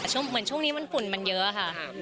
เหมือนช่วงนี้ฝุ่นมันเยอะค่ะ